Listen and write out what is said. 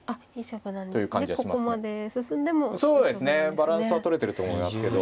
バランスは取れてると思いますけど。